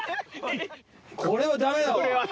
これはダメだわ。